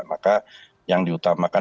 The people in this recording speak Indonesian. maka yang diutamakan